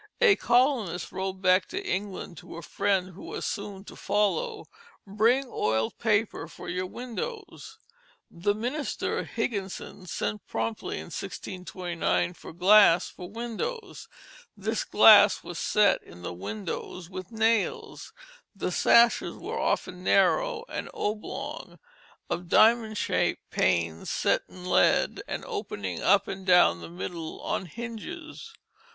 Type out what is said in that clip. A colonist wrote back to England to a friend who was soon to follow, "Bring oiled paper for your windows." The minister, Higginson, sent promptly in 1629 for glass for windows. This glass was set in the windows with nails; the sashes were often narrow and oblong, of diamond shaped panes set in lead, and opening up and down the middle on hinges.